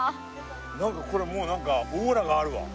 これもうなんかオーラがあるわ。